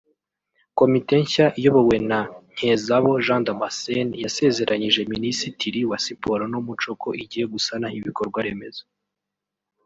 Komite nshya iyobowe na Nkezabo Jean Damascene yasezeranyije Minisitiri wa siporo n’umuco ko igiye gusana ibikorwa remezo